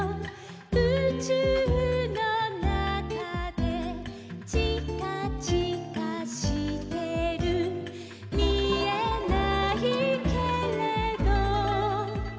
「うちゅうのなかで」「ちかちかしてる」「みえないけれど」